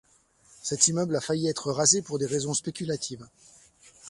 Cet immeuble a failli être rasé pour des raisons spéculatives.